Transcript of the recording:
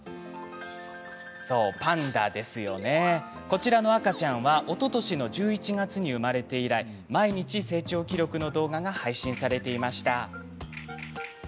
こちらの赤ちゃんはおととし１１月に生まれて以来毎日、成長記録の動画が配信されていました。